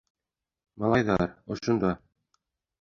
- Малайҙар... ошонда...